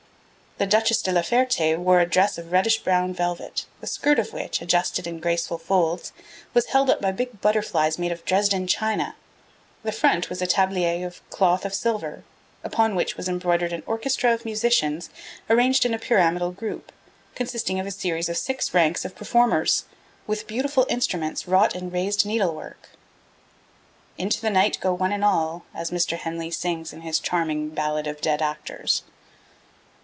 The Duchess de la Ferte wore a dress of reddish brown velvet, the skirt of which, adjusted in graceful folds, was held up by big butterflies made of Dresden china; the front was a tablier of cloth of silver, upon which was embroidered an orchestra of musicians arranged in a pyramidal group, consisting of a series of six ranks of performers, with beautiful instruments wrought in raised needle work. 'Into the night go one and all,' as Mr. Henley sings in his charming Ballade of Dead Actors.